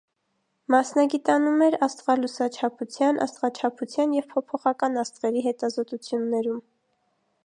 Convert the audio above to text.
Մասնագիտանում էր աստղալուսաչափության, աստղաչափության և փոփոխական աստղերի հետազոտություններում։